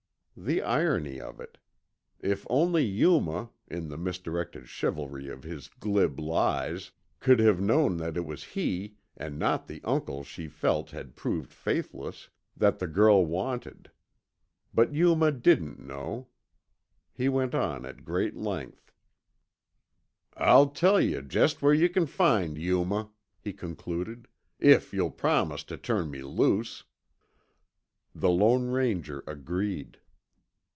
The irony of it. If only Yuma, in the misdirected chivalry of his glib lies, could have known that it was he, and not the uncle she felt had proved faithless, that the girl wanted. But Yuma didn't know. He went on at great length. "I'll tell yuh jest where you c'n find Yuma," he concluded, "if you'll promise tuh turn me loose." The Lone Ranger agreed.